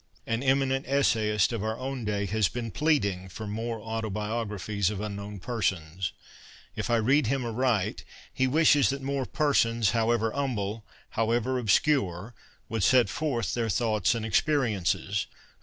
An eminent essayist of our own day has been pleading for more autobiographies of unknown persons. If I read him aright, he wishes that more persons, however humble, however obscure, would set forth their thoughts and experiences.